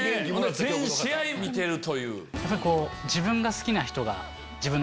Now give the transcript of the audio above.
全試合見てるという。